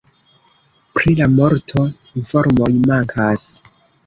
Pri la morto informoj mankas.